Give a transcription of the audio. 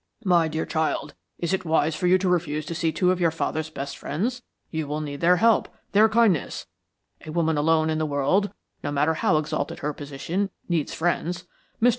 "My dear child, is it wise for you to refuse to see two of your father's best friends? You will need their help, their kindness a woman alone in the world, no matter how exalted her position, needs friends. Mr.